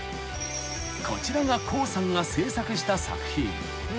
［こちらが高さんが制作した作品］